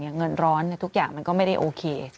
เงินร้อนทุกอย่างมันก็ไม่ได้โอเค